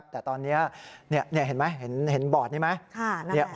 แต่ตอนนี้เห็นไหมเห็นบอร์ดนี้ไหม